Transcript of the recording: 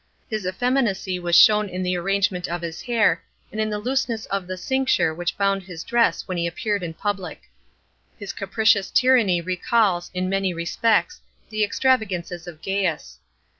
His effeminacy was shown in the arrangement of his hair, and in the looseness of the cincture which bound his dress when he appeared m public. His capricious tyranny recalls, in many respects, the extravagances of Gaius.